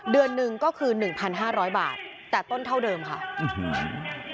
เดือนหนึ่งก็คือหนึ่งพันห้าร้อยบาทแต่ต้นเท่าเดิมค่ะอื้อหือ